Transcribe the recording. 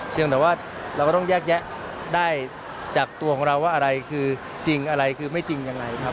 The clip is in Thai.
ยังแต่ว่าเราก็ต้องแยกแยะได้จากตัวของเราว่าอะไรคือจริงอะไรคือไม่จริงยังไงครับ